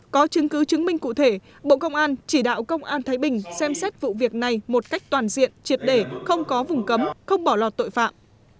có chứng cứ chứng minh cụ thể bộ công an chỉ đạo công an thái bình xem xét vụ việc này một cách toàn diện triệt để không có vùng cấm không bỏ lọt tội phạm